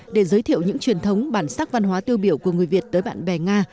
để giới thiệu những truyền thống bản sắc văn hóa tiêu biểu của người việt tới bạn bè nga